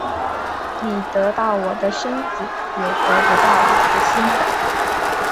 你得到我的身子也得不到我的心的